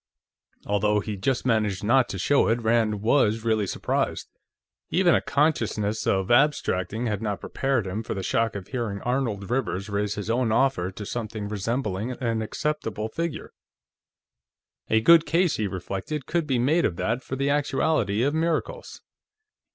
Although he just managed not to show it, Rand was really surprised. Even a consciousness of abstracting had not prepared him for the shock of hearing Arnold Rivers raise his own offer to something resembling an acceptable figure. A good case, he reflected, could be made of that for the actuality of miracles.